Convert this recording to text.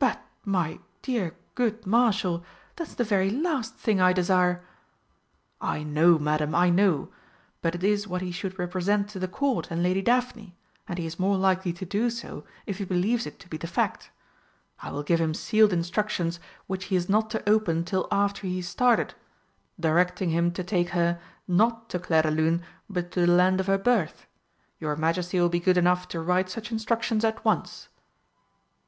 "But, my dear good Marshal, that's the very last thing I desire!" "I know, Madam, I know. But it is what he should represent to the Court and Lady Daphne, and he is more likely to do so if he believes it to be the fact. I will give him sealed instructions which he is not to open till after he is started, directing him to take her not to Clairdelune, but to the land of her birth. Your Majesty will be good enough to write such instructions at once."